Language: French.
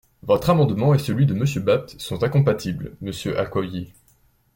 Votre amendement et celui de Monsieur Bapt sont incompatibles, monsieur Accoyer...